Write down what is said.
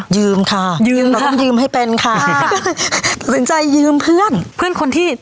ยืมค่ะยืมส้มยืมให้เป็นค่ะตัดสินใจยืมเพื่อนเพื่อนคนที่